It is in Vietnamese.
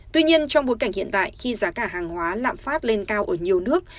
tuy nhiên trong bối cảnh hiện tại khi giá cả hàng hóa lạm phát lên cao ở nhiều nước